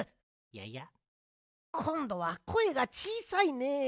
ヤヤ？こんどはこえがちいさいね。